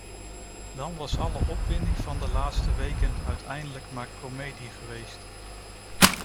Dan was alle opwinding van de laatste weken uiteindelijk maar komedie geweest.